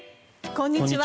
こんにちは。